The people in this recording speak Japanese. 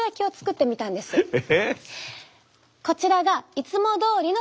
え？